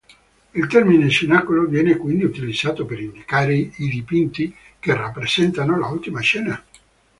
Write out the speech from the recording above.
Il termine cenacolo viene quindi utilizzato per indicare i dipinti che rappresentano l’"Ultima cena".